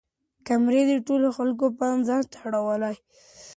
کمرې د ټولو خلکو پام ځان ته اړولی.